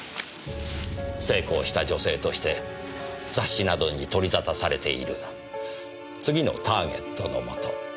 成功した女性として雑誌などに取りざたされている次のターゲットのもと。